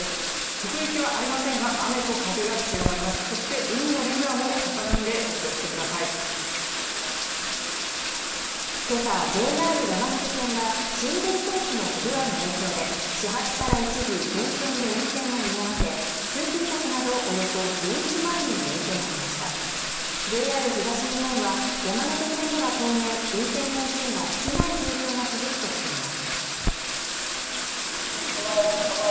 直撃はありませんが雨と風が強まりますそして海のレジャーも高波でお気をつけくださいけさＪＲ山手線が信号装置の不具合の影響で始発から一時全線で運転を見合わせ通勤客などおよそ１１万人に影響が出ましたＪＲ東日本は山手線では当面運転本数が少ない状況が続くとしています